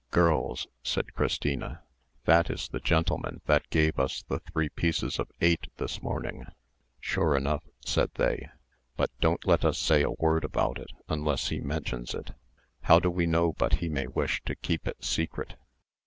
"Girls," said Christina, "that is the gentleman that gave us the three pieces of eight this morning." "Sure enough," said they; "but don't let us say a word about it unless he mentions it. How do we know but he may wish to keep it secret?"